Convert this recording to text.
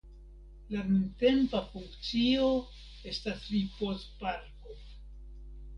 La nuntempa funkcio estas ripozparko.